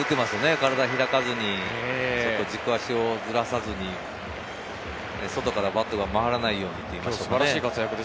体開かずに、軸足をずらさずに外からバットが回らないように。